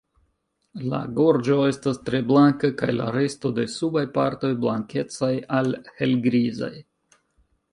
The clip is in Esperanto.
La gorĝo estas tre blanka kaj la resto de subaj partoj blankecaj al helgrizaj.